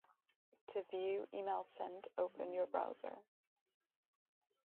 To view emails sent, open your browser